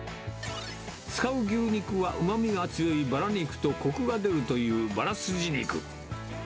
使う牛肉はうまみが強いバラ肉と、こくが出るというバラすじ肉。